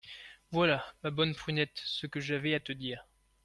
Voilà, ma bonne Prunette, ce que j’avais à te dire…